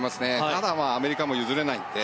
ただ、アメリカも譲れないので。